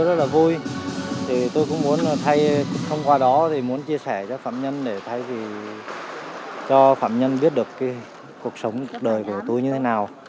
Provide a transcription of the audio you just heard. và vui tôi cũng muốn thay thông qua đó thì muốn chia sẻ cho phạm nhân để thay vì cho phạm nhân biết được cuộc sống đời của tôi như thế nào